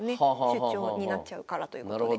出張になっちゃうからということで。